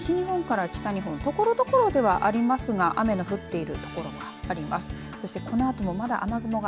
そのほか西日本から北日本ところどころではありますが雨が降っているところがあります。